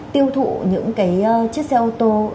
tiêu thụ những chiếc xe ô tô